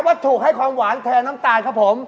วัตถุให้ความหวานแทนน้ำตาลครับผม